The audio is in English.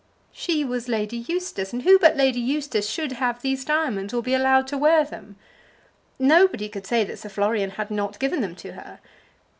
She was Lady Eustace, and who but Lady Eustace should have these diamonds or be allowed to wear them? Nobody could say that Sir Florian had not given them to her.